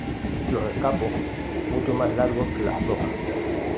Los escapos mucho más largos que las hojas.